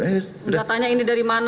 enggak tanya ini dari mana